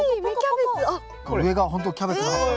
上がほんとキャベツの葉っぱだ。